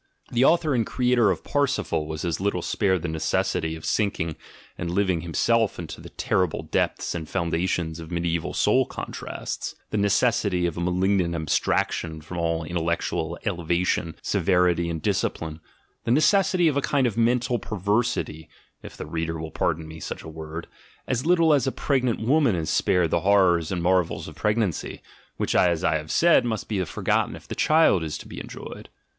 The author and creator of Parsifal was as little spared the necessity of sinking and living himself into the terrible depths and foundations of mediaeval soul contrasts, the necessity of a malignant abstraction from all intellectual elevation, severity, and discipline, the ne cessity of a kind of mental perversity (if the reader will pardon me such a word), as little as a pregnant woman is spared the horrors and marvels of pregnancy, which, as I have said, must be forgotten if the child is to be enjoyed.